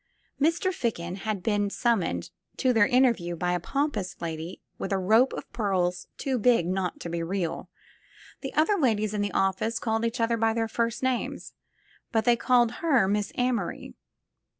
Mr. Ficken had been summoned to their first interview by a pompous lady with a rope of pearls too big not to be real. The other ladies in the office called each other by their first names, but they called her Miss Amory.